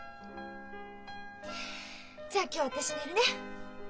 じゃあ今日私寝るね。